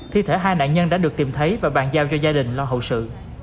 thi thể hai nạn nhân đã được tìm thấy và bàn giao cho gia đình lo hậu sự